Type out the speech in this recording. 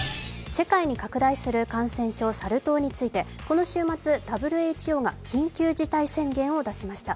世界に拡大する感染症サル痘についてこの週末、ＷＨＯが緊急事態宣言を出しました。